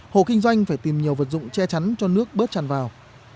hộ kinh doanh phải tìm nhiều vật dụng che chắn cho nước bớt tràn vào